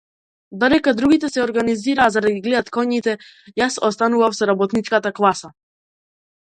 Додека другите се организираа за да ги гледаат коњите, јас останував со работничката класа.